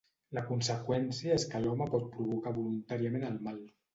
La conseqüència és que l'home pot provocar voluntàriament el mal.